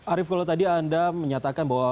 arief kalau tadi anda menyatakan bahwa